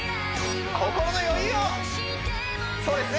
心の余裕をそうですね